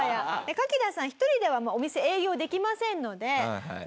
カキダさん１人ではお店営業できませんので。